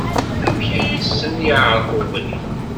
Amek ay asen-yeɛreq ubrid?